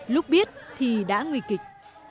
lúc biết thì đã nguy kịch